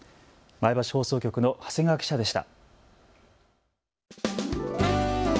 前橋放送局の長谷川記者でした。